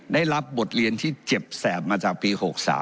ได้รับบทเรียนที่เจ็บแสบมาจากปี๖๓